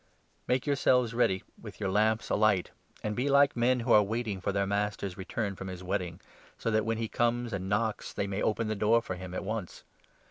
Make your 35 selves ready, with your lamps alight ; and be like 36 watchfulness. men wjlo are waiting for their Master's return from his wedding, so that, when he comes and knocks, they may open the door for him at once.